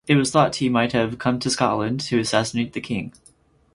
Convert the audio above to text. It was thought he might have come to Scotland to assassinate the king.